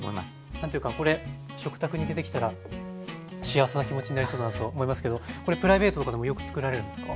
何ていうかこれ食卓に出てきたら幸せな気持ちになりそうだなと思いますけどこれプライベートとかでもよくつくられるんですか？